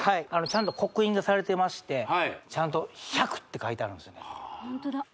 ちゃんと刻印がされてまして「１００」って書いてあるんですよね